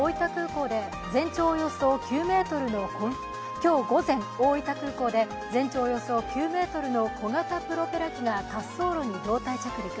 今日午前、大分空港で全長およそ９ｍの小型プロペラ機が滑走路に胴体着陸。